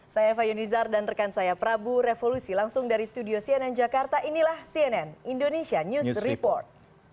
saya eva yunizar dan rekan saya prabu revolusi langsung dari studio cnn jakarta inilah cnn indonesia news report